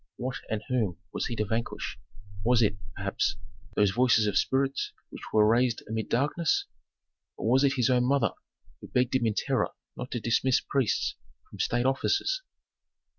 What and whom was he to vanquish? Was it, perhaps, those voices of spirits which were raised amid darkness? Or was it his own mother, who begged him in terror not to dismiss priests from state offices?